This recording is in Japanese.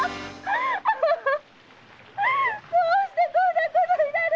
どうしてこんなことになるの！